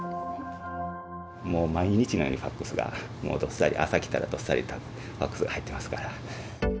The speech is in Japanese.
毎日のようにファックスがどっさり、朝来たらどっさりとファックスが入ってますから。